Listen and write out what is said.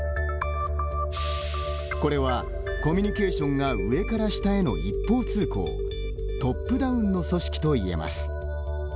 これはコミュニケーションが上から下への一方通行トップダウンの組織といえます。